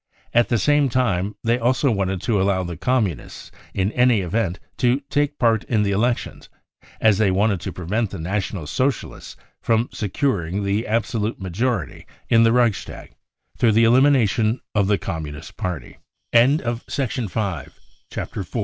At the same time, they also wanted to allow the Communists in any event to take part in the elections, as they wanted to prevent the National Socialists from securing the absolute *> majority in the Reichstag through the elimination of the* I Comm